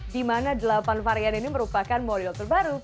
di mana delapan varian ini merupakan model terbaru